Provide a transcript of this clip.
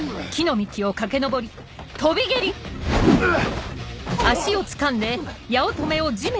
うっ！